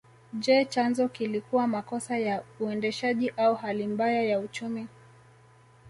Je chanzo kilikuwa makosa ya uendeshaji au hali mbaya ya uchumi